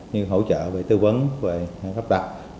như hỗ trợ về tư vấn về lắp đặt